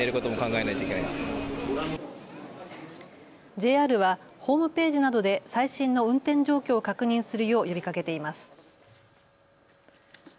ＪＲはホームページなどで最新の運転状況を確認するよう呼びかけています。